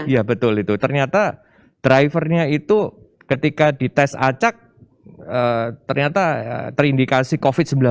ya betul itu ternyata drivernya itu ketika dites acak ternyata terindikasi covid sembilan belas